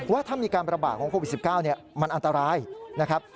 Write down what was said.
ว่าถ้ามีการประบาดของโควิด๑๙มันอันตรายนะครับ